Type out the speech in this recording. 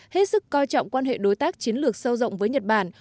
hết sức coi trọng quan hệ đối tác chiến lược sâu rộng với nhật bản